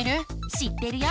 知ってるよ！